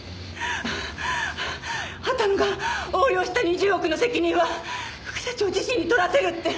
畑野が横領した２０億の責任は副社長自身に取らせるって。